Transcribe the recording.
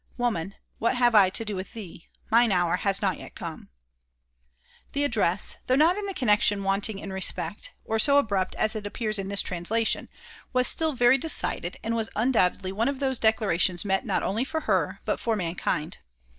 "Woman, what have I to do with thee? mine hour is not yet come." The address, though not in the connection wanting in respect, or so abrupt as it appears in the translation, was still very decided, and was undoubtedly one of those declarations meant not only for her but for mankind.